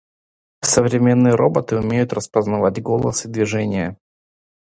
Современные роботы умеют распознавать голос и движения.